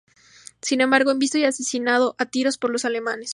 Sin embargo, es visto y asesinado a tiros por los alemanes.